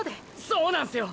そうなんすよ！